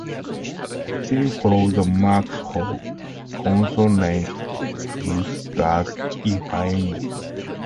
They follow the marks for consonant clusters, if any.